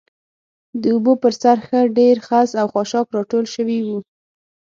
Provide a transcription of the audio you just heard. د اوبو پر سر ښه ډېر خس او خاشاک راټول شوي و.